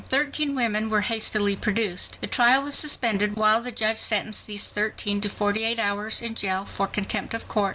Thirteen women were hastily produced. The trial was suspended while the judge sentenced these thirteen to "forty eight hours in jail for contempt of court."